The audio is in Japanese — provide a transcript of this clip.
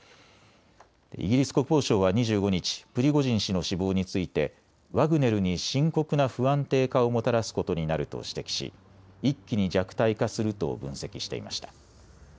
イギリス国防省は２５日、プリゴジン氏の死亡についてワグネルに深刻な不安定化をもたらすことになると指摘し一気に弱体化すると分析していました。